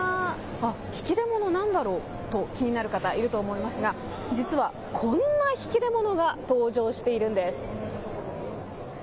あ、引き出物何だろうと気になる方いると思いますが実はこんな引き出物が登場しているんです。